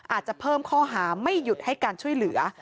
อาจจะเพิ่มข้อหาไม่หยุดให้การช่วยเหลือ